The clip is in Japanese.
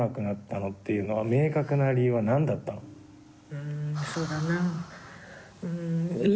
うんそうだな。